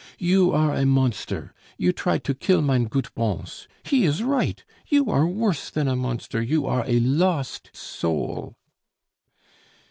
"You are a monster! You dried to kill mein goot Bons! He is right. You are worse than a monster, you are a lost soul!"